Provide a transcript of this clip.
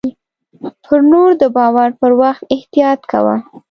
پر نور د باور پر وخت احتياط کوه .